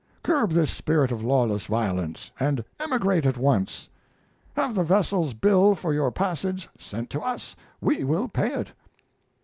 Curb this spirit of lawless violence, and emigrate at once. Have the vessel's bill for your passage sent to us. We will pay it.